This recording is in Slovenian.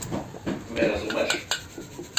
Me razumeš?